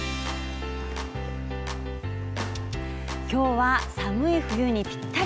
今日は寒い冬にぴったり。